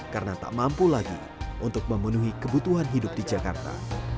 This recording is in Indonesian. karena tak mampu lagi untuk memenuhi kebutuhan hidup di jakarta